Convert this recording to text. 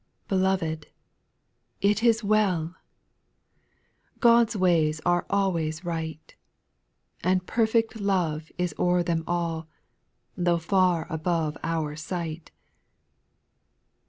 T>ELOVED, " it is well !" D God's ways arc always right ; And perfect love is o'er them all, Tho' far above our sight.